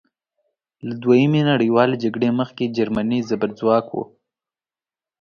له دویمې نړیوالې جګړې مخکې جرمني زبرځواک وه.